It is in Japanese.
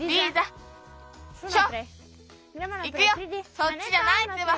そっちじゃないってば。